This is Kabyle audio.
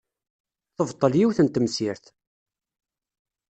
Tebṭel yiwet n temsirt.